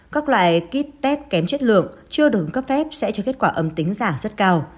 các loại kit test kém chất lượng chưa được ứng cấp phép sẽ cho kết quả âm tính giảng rất cao